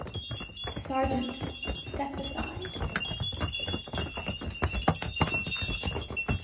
The sergeant stepped aside.